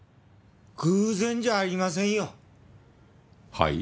偶然じゃありませんよ。はい？